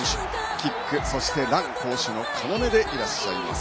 キック、ランと攻守の要でいらっしゃいます。